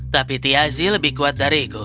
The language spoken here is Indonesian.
tapi tiazi lebih kuat dariku